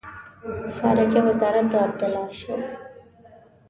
خارجه وزارت د عبدالله شو.